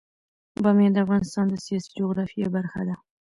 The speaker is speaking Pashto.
بامیان د افغانستان د سیاسي جغرافیه برخه ده.